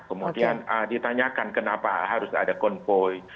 kemudian ditanyakan kenapa harus ada konvoy